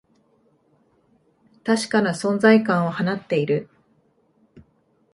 確かな存在感を放っている